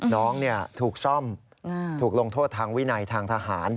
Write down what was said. น้องถูกซ่อมถูกลงโทษทางวินัยทางทหาร